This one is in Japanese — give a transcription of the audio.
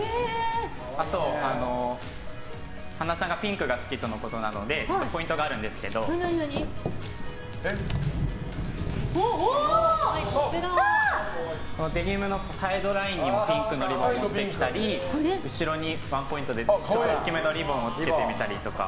あと、神田さんがピンクが好きとのことなのでポイントがあるんですけどデニムのサイドラインにもピンクのリボンを持ってきたり後ろにワンポイントで大きめのリボンをつけてみたりとか。